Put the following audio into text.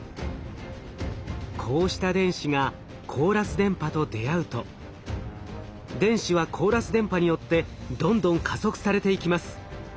こうした電子がコーラス電波と出会うと電子はコーラス電波によってどんどん加速されていきます。